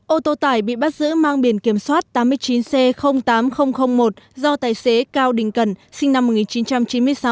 ô tô tải bị bắt giữ mang biển kiểm soát tám mươi chín c tám nghìn một do tài xế cao đình cần sinh năm một nghìn chín trăm chín mươi sáu